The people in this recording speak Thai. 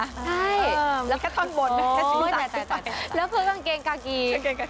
ใช่เอ่อแล้วก็ท่อนบนโอ้ยแล้วคือกางเกงกากีกอ๋อ